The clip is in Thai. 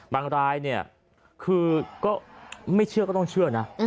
รายเนี่ยคือก็ไม่เชื่อก็ต้องเชื่อนะ